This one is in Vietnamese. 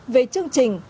về chương trình